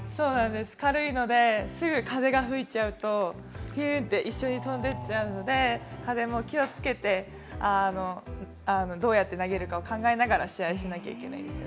軽いので、すぐ風が吹いちゃうとふいっと一緒にいっちゃうので風も気をつけて、どうやって投げるかを考えながら試合をしなきゃいけないです。